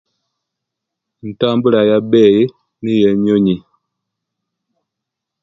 Entambula ya'beyi niwo enyunyu